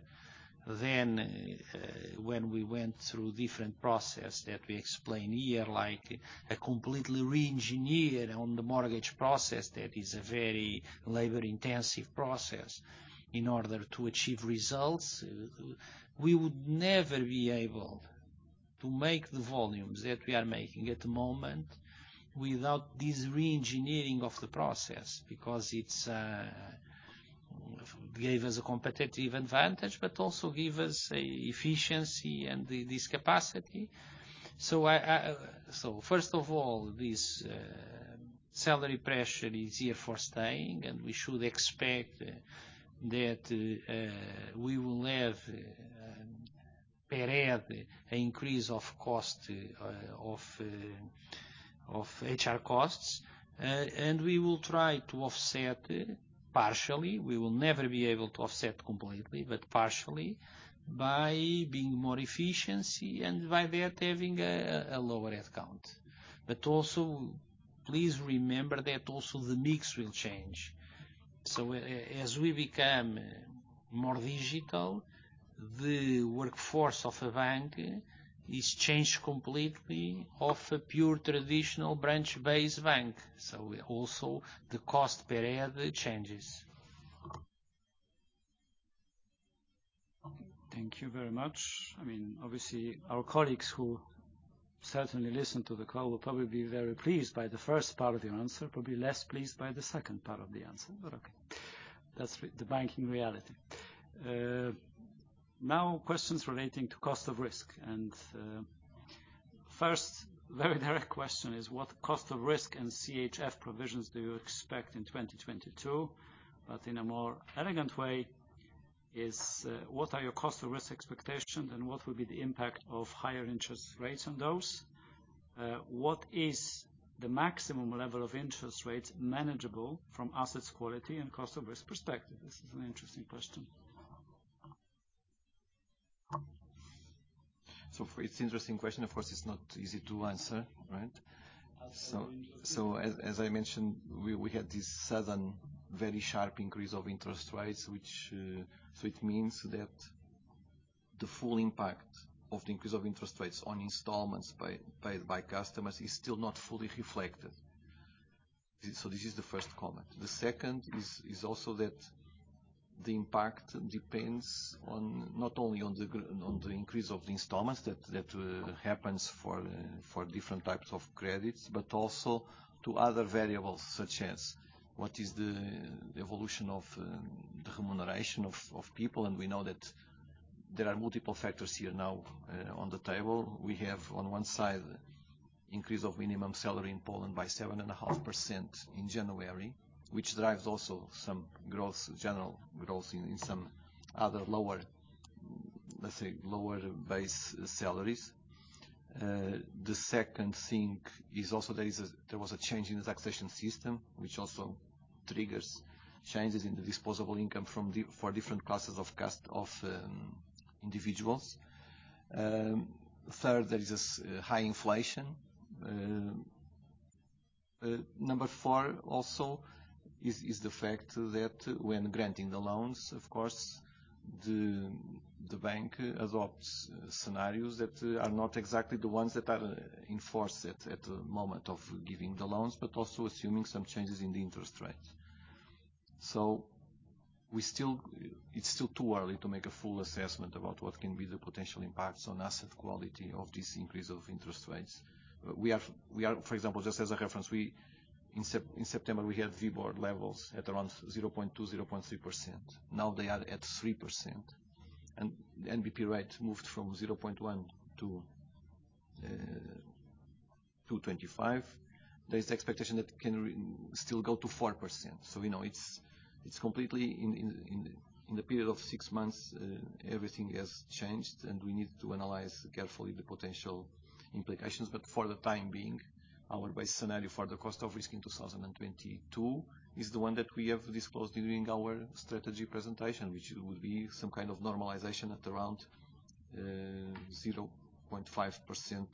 When we went through different processes that we explain here, like a complete reengineering of the mortgage process, that is a very labor-intensive process in order to achieve results. We would never be able to make the volumes that we are making at the moment without this reengineering of the process, because it gives us a competitive advantage, but also gives us efficiency and this capacity. First of all, this salary pressure is here to stay, and we should expect that we will have per head increase of HR costs. We will try to offset partially. We will never be able to offset completely, but partially by being more efficient and by that having a lower head count. Please remember that also the mix will change. As we become more digital, the workforce of a bank is changed completely from a pure traditional branch-based bank. Also the cost per head changes. Thank you very much. I mean, obviously our colleagues who certainly listen to the call will probably be very pleased by the first part of your answer, but be less pleased by the second part of the answer, but okay. That's the banking reality. Now questions relating to cost of risk. First, very direct question is, what cost of risk and CHF provisions do you expect in 2022? In a more elegant way is, what are your cost of risk expectations, and what will be the impact of higher interest rates on those? What is the maximum level of interest rates manageable from asset quality and cost of risk perspective? This is an interesting question. It's an interesting question, of course. It's not easy to answer, right? As I mentioned, we had this sudden very sharp increase of interest rates, which means that the full impact of the increase of interest rates on installments paid by customers is still not fully reflected. This is the first comment. The second is also that the impact depends not only on the increase of the installments that happens for different types of credits, but also on other variables such as the evolution of the remuneration of people, and we know that there are multiple factors here now on the table. We have, on one side, increase of minimum salary in Poland by 7.5% in January, which drives also some growth, general growth in some other lower, let's say, lower base salaries. The second thing is there was a change in the taxation system, which also triggers changes in the disposable income for different classes of customers. Third, there is this high inflation. Number 4 also is the fact that when granting the loans, of course, the bank adopts scenarios that are not exactly the ones that are enforced at the moment of giving the loans, but also assuming some changes in the interest rates. It's still too early to make a full assessment about what can be the potential impacts on asset quality of this increase of interest rates. For example, just as a reference, in September we had WIBOR levels at around 0.2, 0.3%. Now they are at 3%. NBP rate moved from 0.1% to 2.25%. There is expectation that can still go to 4%. It's completely in a period of six months, everything has changed, and we need to analyze carefully the potential implications. For the time being, our base scenario for the cost of risk in 2022 is the one that we have disclosed during our strategy presentation, which will be some kind of normalization at around 0.5%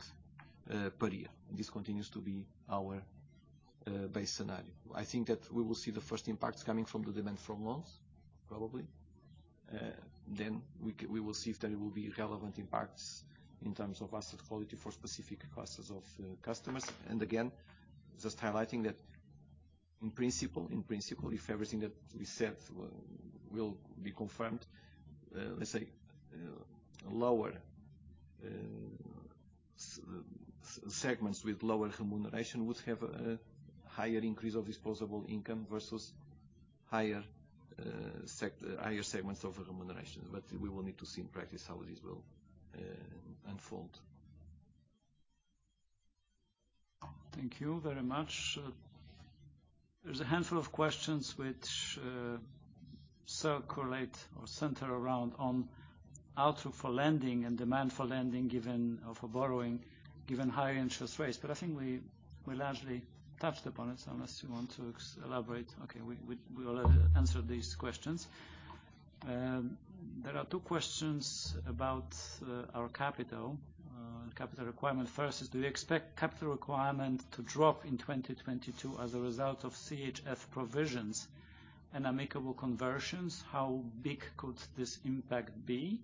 per year. This continues to be our base scenario. I think that we will see the first impacts coming from the demand for loans, probably. Then we will see if there will be relevant impacts in terms of asset quality for specific classes of customers. Again, just highlighting that in principle, if everything that we said will be confirmed, let's say, lower segments with lower remuneration would have a higher increase of disposable income versus higher segments of remuneration. We will need to see in practice how this will unfold. Thank you very much. There's a handful of questions which circulate or center around on outlook for lending and demand for lending given or for borrowing, given higher interest rates. I think we largely touched upon it, unless you want to elaborate. Okay, we already answered these questions. There are two questions about our capital requirement. First is, do you expect capital requirement to drop in 2022 as a result of CHF provisions and amicable conversions? How big could this impact be?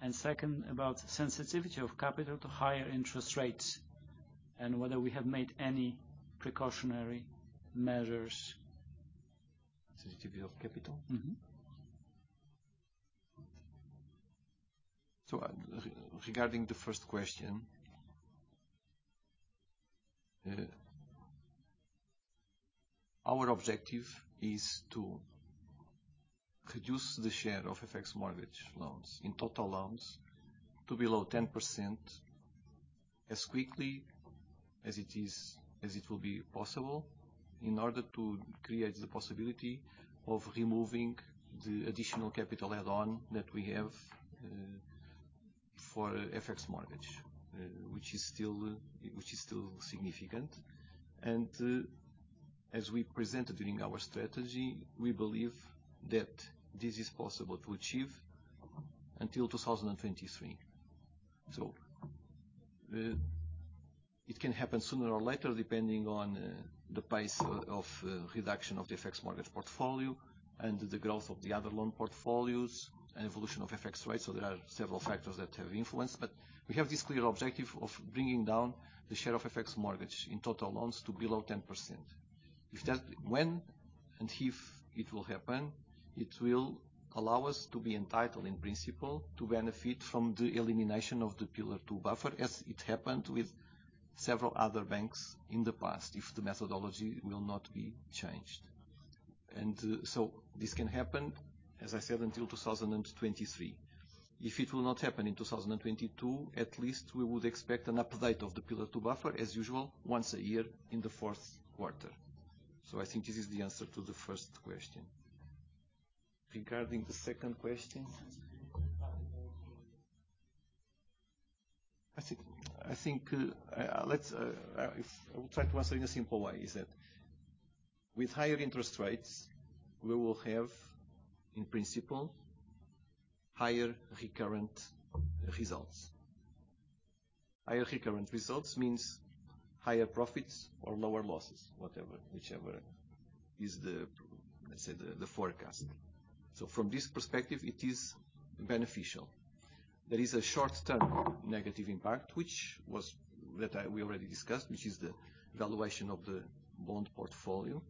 And second, about sensitivity of capital to higher interest rates and whether we have made any precautionary measures. Sensitivity of capital? Mm-hmm. Regarding the first question, our objective is to reduce the share of FX mortgage loans in total loans to below 10% as quickly as it will be possible, in order to create the possibility of removing the additional capital add on that we have for FX mortgage, which is still significant. As we presented during our strategy, we believe that this is possible to achieve until 2023. It can happen sooner or later, depending on the pace of reduction of the FX mortgage portfolio and the growth of the other loan portfolios and evolution of FX rates. There are several factors that have influence. We have this clear objective of bringing down the share of FX mortgage in total loans to below 10%. If that, when If it will happen, it will allow us to be entitled, in principle, to benefit from the elimination of the Pillar 2 buffer, as it happened with several other banks in the past, if the methodology will not be changed. This can happen, as I said, until 2023. If it will not happen in 2022, at least we would expect an update of the Pillar 2 buffer as usual once a year in the Q4. I think this is the answer to the first question. Regarding the second question. I think, let's, I will try to answer in a simple way, is that with higher interest rates, we will have, in principle, higher recurrent results. Higher recurrent results means higher profits or lower losses, whatever, whichever is the, let's say, the forecast. From this perspective, it is beneficial. There is a short-term negative impact, which we already discussed, which is the valuation of the bond portfolio,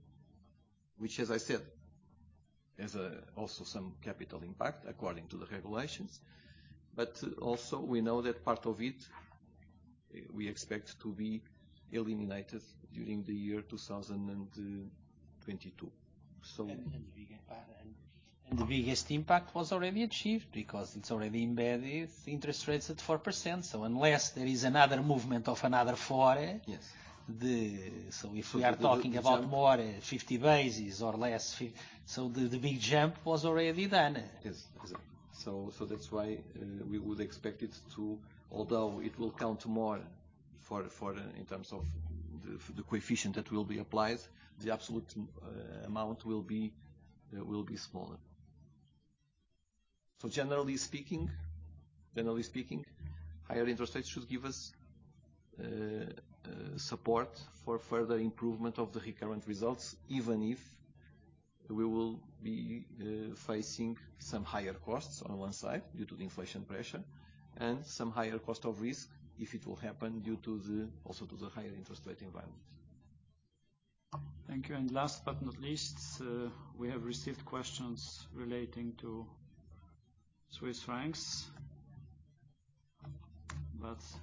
which as I said, has also some capital impact according to the regulations. But also we know that part of it, we expect to be eliminated during the year 2022. The biggest impact. The biggest impact was already achieved because it's already embedded interest rates at 4%. Unless there is another movement of another four- Yes. If we are talking about more than 50 basis points or less, the big jump was already done. Yes, exactly. That's why we would expect it, although it will count more in terms of the coefficient that will be applied, the absolute amount will be smaller. Generally speaking, higher interest rates should give us support for further improvement of the recurring results, even if we will be facing some higher costs on one side due to the inflation pressure and some higher cost of risk if it will happen due also to the higher interest rate environment. Thank you. Last but not least, we have received questions relating to Swiss francs.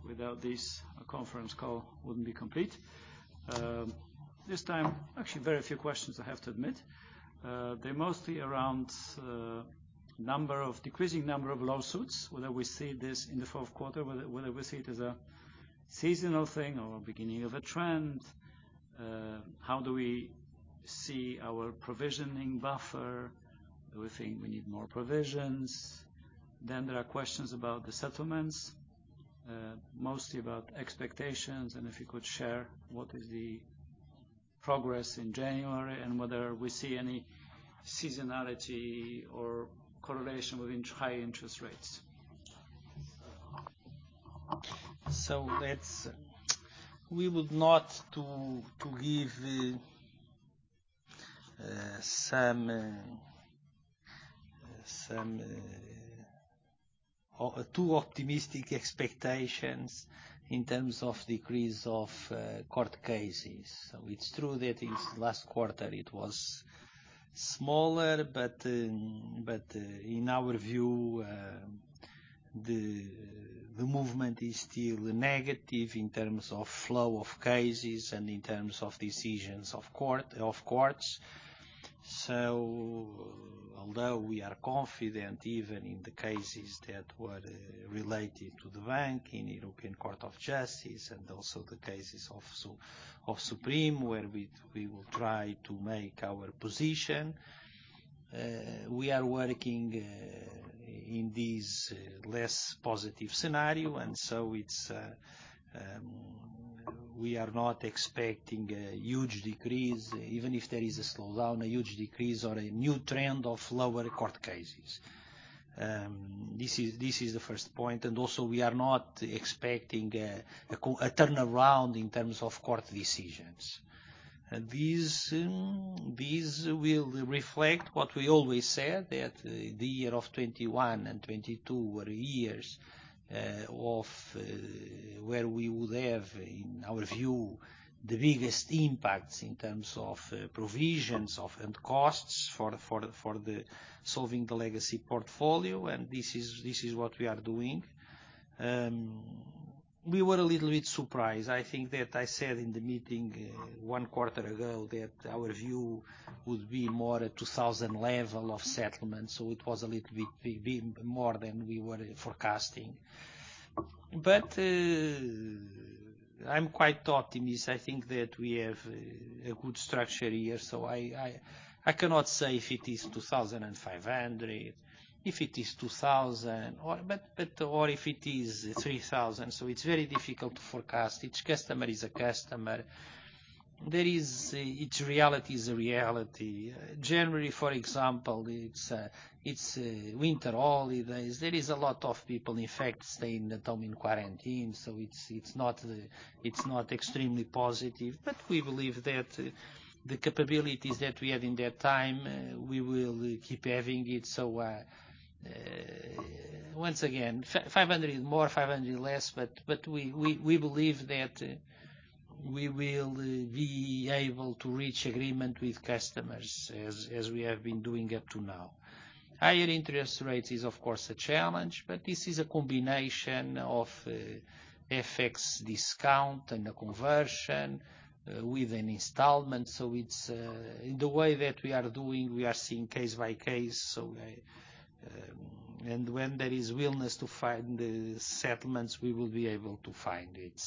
Without this, our conference call wouldn't be complete. This time, actually, very few questions I have to admit. They're mostly around decreasing number of lawsuits, whether we see this in the Q4, whether we see it as a seasonal thing or beginning of a trend. How do we see our provisioning buffer? Do we think we need more provisions? There are questions about the settlements, mostly about expectations and if you could share what is the progress in January and whether we see any seasonality or correlation within high interest rates. We would not like to give some too optimistic expectations in terms of decrease of court cases. It's true that in last quarter it was smaller, but in our view, the movement is still negative in terms of flow of cases and in terms of decisions of courts. Although we are confident even in the cases that were related to the bank in European Court of Justice and also the cases of Supreme Court, where we will try to make our position, we are working in this less positive scenario, and we are not expecting a huge decrease, even if there is a slowdown, a huge decrease or a new trend of lower court cases. This is the first point. Also we are not expecting a turnaround in terms of court decisions. This will reflect what we always said, that the years 2021 and 2022 were years of where we would have, in our view, the biggest impacts in terms of provisions and costs for solving the legacy portfolio, and this is what we are doing. We were a little bit surprised. I think that I said in the meeting one quarter ago that our view would be more at 2,000 level of settlement. It was a little bit more than we were forecasting. I'm quite optimistic. I think that we have a good structure here. I cannot say if it is 2,500, if it is 2,000 or if it is 3,000. It's very difficult to forecast. Each customer is a customer. Each reality is a reality. January, for example, it's winter holidays. There is a lot of people, in fact, staying at home in quarantine. It's not extremely positive. We believe that the capabilities that we have in that time we will keep having it. Once again, 500 more, 500 less, but we believe that we will be able to reach agreement with customers as we have been doing up to now. Higher interest rates is of course a challenge, but this is a combination of FX discount and a conversion with an installment. It's in the way that we are doing, we are seeing case by case. And when there is willingness to find the settlements, we will be able to find it.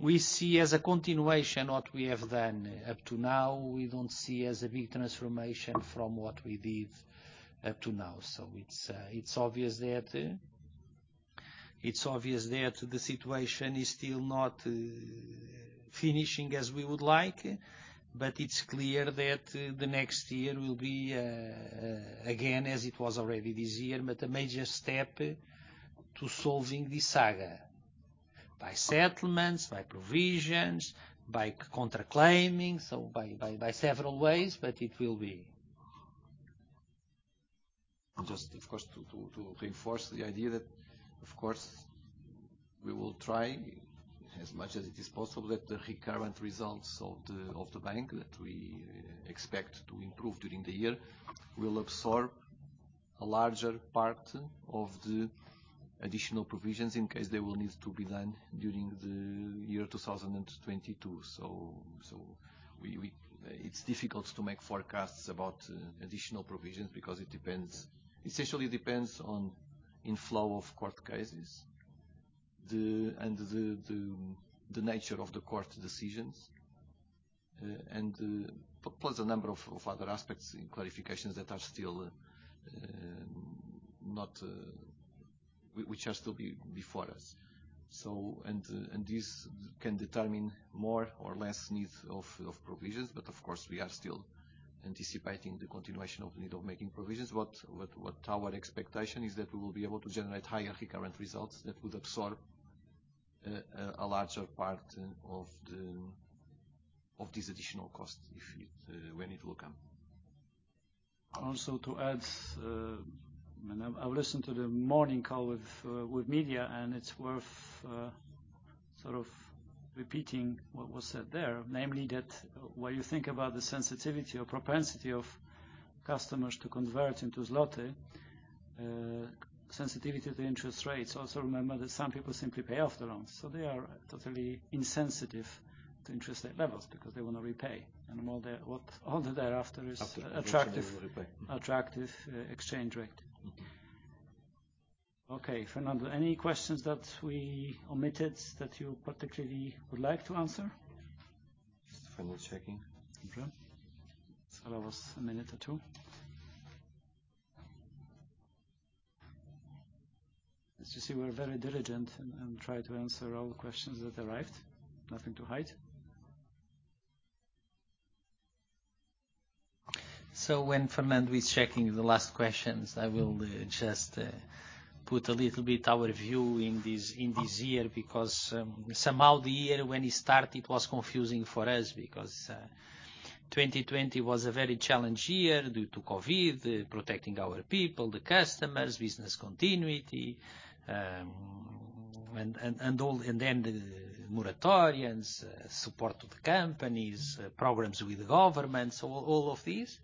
We see as a continuation what we have done up to now. We don't see as a big transformation from what we did up to now. It's obvious that the situation is still not finishing as we would like. But it's clear that the next year will be again, as it was already this year, but a major step to solving this saga by settlements, by provisions, by counter-claiming, so by several ways. But it will be Of course, to reinforce the idea that, of course, we will try as much as it is possible that the recurrent results of the bank that we expect to improve during the year will absorb a larger part of the additional provisions in case they will need to be done during the year 2022. It's difficult to make forecasts about additional provisions because it depends essentially on inflow of court cases and the nature of the court decisions and plus a number of other aspects and clarifications that are still which are still before us. This can determine more or less needs of provisions. Of course, we are still anticipating the continuation of the need of making provisions. Our expectation is that we will be able to generate higher recurrent results that would absorb a larger part of these additional costs when it will come. Also, to add, I listened to the morning call with media, and it's worth sort of repeating what was said there. Namely that when you think about the sensitivity or propensity of customers to convert into zloty, sensitivity to interest rates, also remember that some people simply pay off the loans, so they are totally insensitive to interest rate levels because they wanna repay. All they're after is attractive- After they wanna repay. Attractive exchange rate. Mm-hmm. Okay, Fernando, any questions that we omitted that you particularly would like to answer? Just Fernando checking. Okay. Allow us a minute or two. As you see, we're very diligent and try to answer all the questions that arrived. Nothing to hide. When Fernando is checking the last questions, I will just put a little bit our view in this year because somehow the year when it started, it was confusing for us because 2020 was a very challenging year due to COVID, protecting our people, the customers, business continuity, and then the moratoriums, support of the companies, problems with governments, all of these.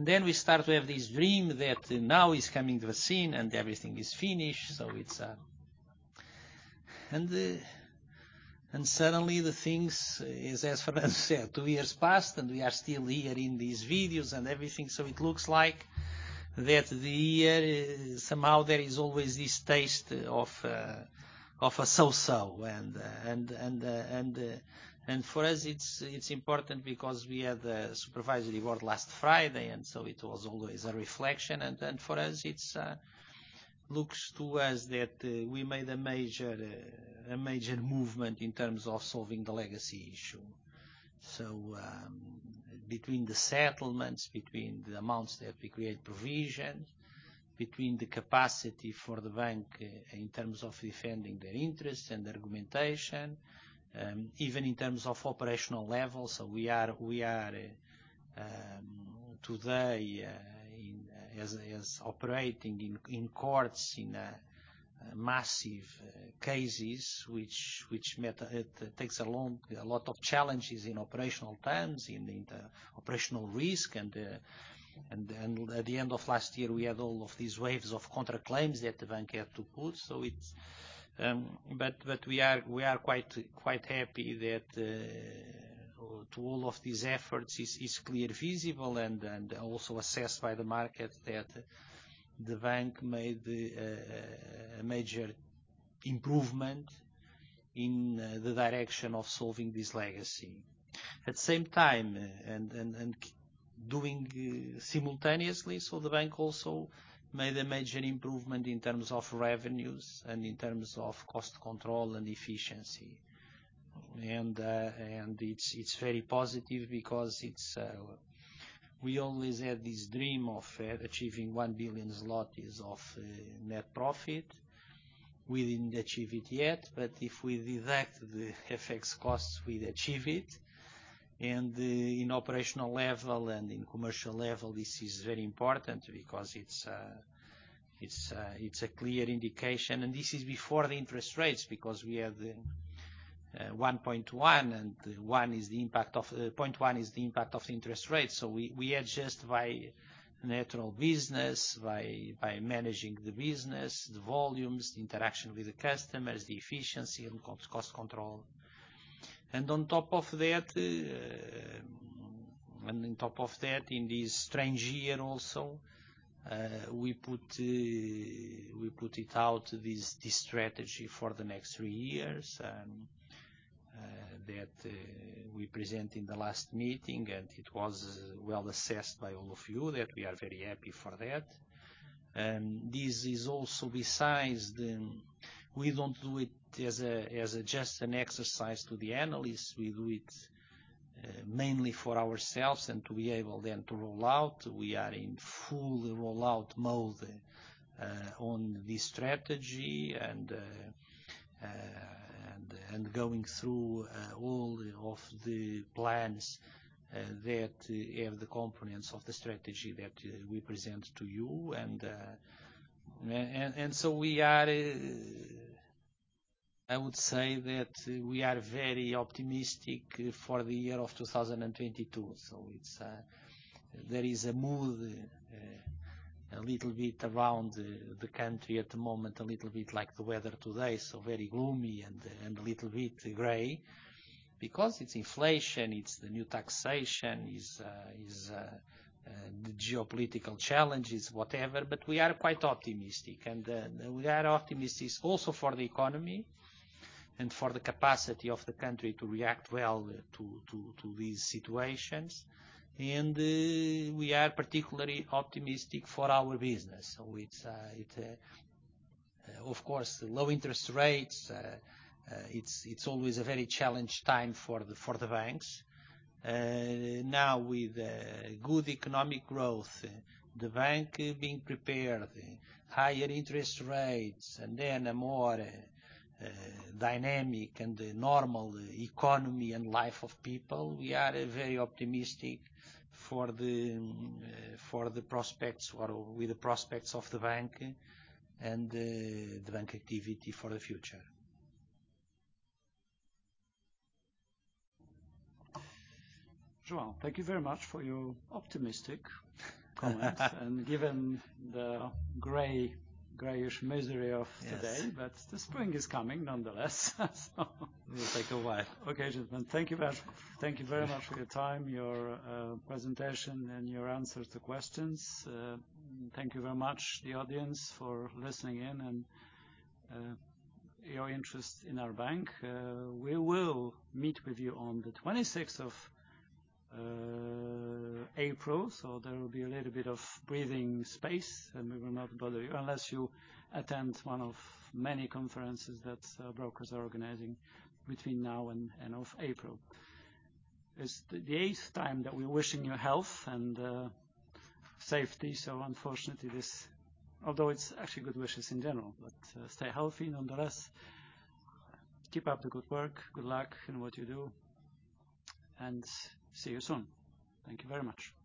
Then we start to have this dream that now is coming the scene and everything is finished. Suddenly the things is, as Fernando said, two years passed and we are still here in these videos and everything. It looks like the year somehow there is always this taste of a so-so. For us it's important because we had a Supervisory Board last Friday, and it was always a reflection. For us it looks to us that we made a major movement in terms of solving the legacy issue. Between the settlements, between the amounts that we create provision, between the capacity for the bank in terms of defending their interests and argumentation, even in terms of operational levels. We are today operating in courts in massive cases which means it takes a long time, a lot of challenges in operational terms, in the operational risk. At the end of last year, we had all of these waves of counterclaims that the bank had to put. We are quite happy that all of these efforts is clear, visible, and also assessed by the market that the bank made a major improvement in the direction of solving this legacy. At the same time, doing simultaneously, the bank also made a major improvement in terms of revenues and in terms of cost control and efficiency. It's very positive because we always had this dream of achieving 1 billion zlotys of net profit. We didn't achieve it yet, but if we deduct the FX costs, we achieve it. In operational level and in commercial level, this is very important because it's a clear indication. This is before the interest rates, because we have the 1.1%, and 1%, 0.1% is the impact of the interest rates. We adjust by natural business, by managing the business, the volumes, the interaction with the customers, the efficiency and cost control. On top of that, in this strange year also, we put it out this strategy for the next three years, that we present in the last meeting, and it was well assessed by all of you. That we are very happy for that. This is also besides that we don't do it as just an exercise for the analysts. We do it mainly for ourselves and to be able then to roll out. We are in full rollout mode on this strategy and going through all of the plans that have the components of the strategy that we present to you. We are very optimistic for the year of 2022. There is a mood a little bit around the country at the moment, a little bit like the weather today, so very gloomy and a little bit gray. Because it's inflation, it's the new taxation, it's the geopolitical challenges, whatever, but we are quite optimistic. We are optimists also for the economy and for the capacity of the country to react well to these situations. We are particularly optimistic for our business. It's of course low interest rates. It's always a very challenging time for the banks. Now with good economic growth, the bank being prepared, higher interest rates and then a more dynamic and normal economy and life of people, we are very optimistic for the prospects or with the prospects of the bank and the bank activity for the future. João, thank you very much for your optimistic comments. Given the gray, grayish misery of today. Yes. The spring is coming nonetheless. It will take a while. Okay, gentlemen. Thank you very much for your time, your presentation, and your answers to questions. Thank you very much, the audience, for listening in and your interest in our bank. We will meet with you on the twenty-sixth of April, so there will be a little bit of breathing space, and we will not bother you unless you attend one of many conferences that brokers are organizing between now and end of April. It's the eighth time that we're wishing you health and safety, so unfortunately, this, although it's actually good wishes in general. But stay healthy, nonetheless. Keep up the good work. Good luck in what you do. See you soon. Thank you very much.